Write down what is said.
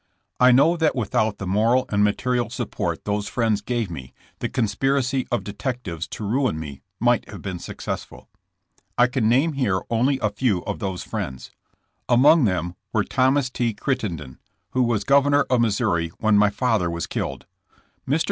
I know that without the moral and material support those friends gave me the con spiracy of detectives to ruin me might have been successful. I can name here only a few of those friends. Among them were Thomas T. Crittenden, who was governor of Missouri when my father was killed. Mr.